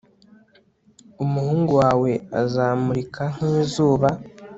Umuhungu wawe azamurika nkizuba